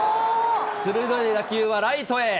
鋭い打球はライトへ。